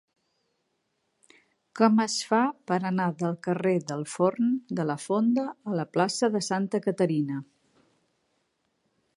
Com es fa per anar del carrer del Forn de la Fonda a la plaça de Santa Caterina?